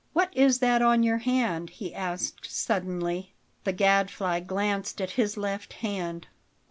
"What is that on your hand?" he asked suddenly. The Gadfly glanced at his left hand.